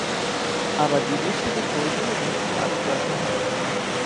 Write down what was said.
আবার বিদেশ থেকে কর্মী এনে কাজ করাতে হয়।